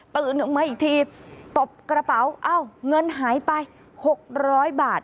มาอีกทีตบกระเป๋าเอ้าเงินหายไป๖๐๐บาท